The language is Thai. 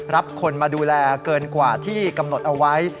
รับคนมาดูแลเกินกว่าที่กำหนดเอาไว้